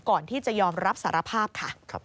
ก่อนที่จะยอมรับสารภาพค่ะ